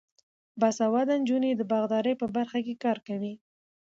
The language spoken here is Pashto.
باسواده نجونې د باغدارۍ په برخه کې کار کوي.